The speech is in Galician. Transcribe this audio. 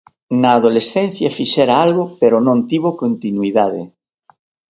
Na adolescencia fixera algo pero non tivo continuidade.